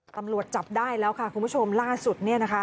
ตำรวจจับได้แล้วค่ะคุณผู้ชมล่าสุด